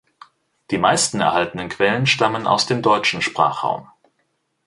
Die meisten erhaltenen Quellen stammen aus dem deutschen Sprachraum.